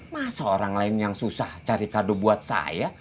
masa orang lain yang susah cari kado buat saya